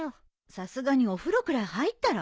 さすがにお風呂くらい入ったら？